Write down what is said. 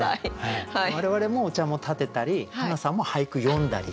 我々もお茶もたてたりはなさんも俳句詠んだり。